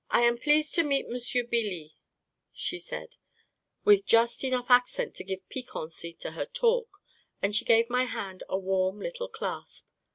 44 1 am please' to meet M'sieu Beelee," she said, with just enough accent to give piquancy to her talk, and she gave my hand a warm little clasp.